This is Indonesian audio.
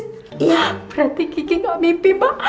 enggak berarti kiki gak mimpi mbak